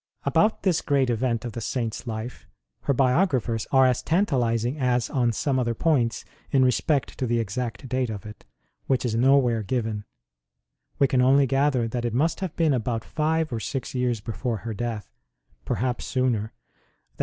About this great event of the Saint s life her biographers are as tantalizing as on some other points in respect to the exact date of it, which is nowhere given ; we can only gather that it must have been about five or six years before her death (perhaps sooner) that ST.